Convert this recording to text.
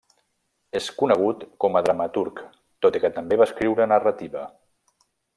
És conegut com a dramaturg, tot i que també va escriure narrativa.